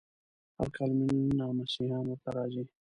هر کال ملیونونه مسیحیان ورته راځي.